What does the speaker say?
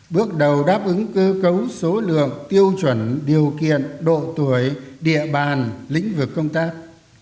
bước đầu đáp ứng cơ cấu số lượng tiêu chuẩn điều kiện độ tuổi địa bàn lĩnh vực công tác